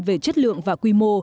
về chất lượng và quy mô